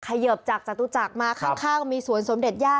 เยิบจากจตุจักรมาข้างมีสวนสมเด็จย่า